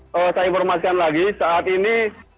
saya informasikan lagi saat ini